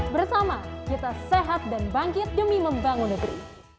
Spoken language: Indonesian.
bersama kita sehat dan bangkit demi membangun negeri